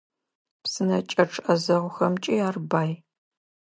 Псынэкӏэчъ ӏэзэгъухэмкӏи ар бай.